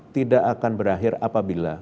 tidak akan berakhir apabila